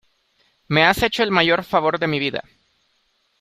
me has hecho el mayor favor de mi vida.